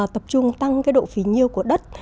tập trung tăng độ phí nhiêu của đất